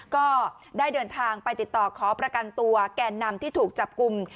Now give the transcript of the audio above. ก็ได้เดินทางไปติดต่อขอประกันตัวแกนนำที่ถูกจับกลุ่ม